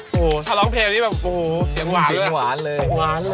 โอ้โฮถ้าร้องเพลงนี่แบบโอ้โฮเสียงหวานด้วยหวานเลยเสียงหวานเลย